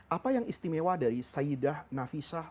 apa yang istimewa dari sayyidah nafisah